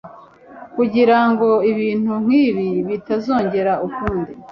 kugirango ibintu nkibi bitazongera ukundi